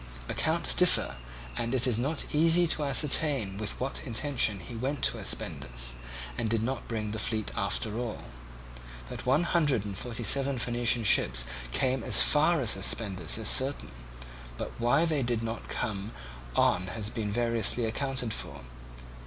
Accounts differ, and it is not easy to ascertain with what intention he went to Aspendus, and did not bring the fleet after all. That one hundred and forty seven Phoenician ships came as far as Aspendus is certain; but why they did not come on has been variously accounted for.